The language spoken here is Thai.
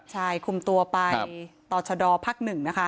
ใช่คุมตัวไปครับต่อชะดอภาคหนึ่งนะคะ